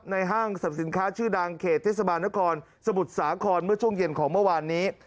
ห้างสรรพสินค้าชื่อดังเขตเทศบาลนครสมุทรสาครเมื่อช่วงเย็นของเมื่อวานนี้